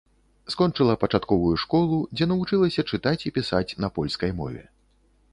Скончыла пачатковую школу, дзе навучылася чытаць і пісаць на польскай мове.